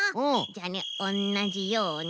じゃあねおんなじように。